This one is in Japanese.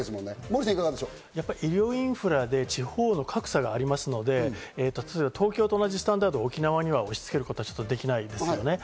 医療インフラで地域の格差がありますので、例えば東京と同じスタンダードを沖縄に押し付けることはできないですね。